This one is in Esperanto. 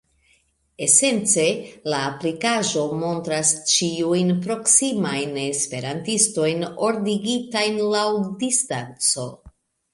Esence, la aplikaĵo montras ĉiujn proksimajn esperantistojn ordigitajn laŭ distanco.